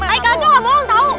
aika juga nggak bohong tau